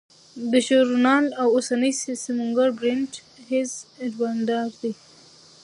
د ژورنال اوسنی سمونګر برینټ هیز اډوارډز دی.